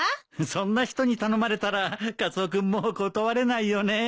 そんな人に頼まれたらカツオ君も断れないよね。